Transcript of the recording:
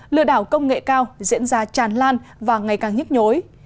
lừa đảo công nghệ cao diễn ra tràn lan và ngày càng nhức nhối